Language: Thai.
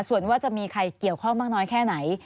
ส่วนว่าจะมีใครเกี่ยวข้องมากน้อยแค่ไหน